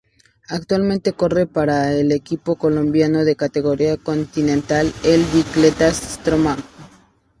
Actualmente corre para el equipo colombiano de categoría Continental el Bicicletas Strongman.